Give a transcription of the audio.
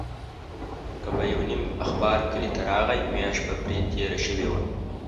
که به یو نیم اخبار کلي ته راغی، میاشت به پرې تېره شوې وه.